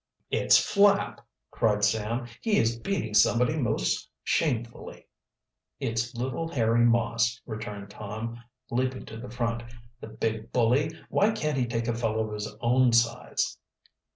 "It's Flapp!" cried Sam. "He is beating somebody most shamefully." "It's little Harry Moss," returned Tom, leaping to the front. "The big bully! Why can't he take a fellow of his own size?"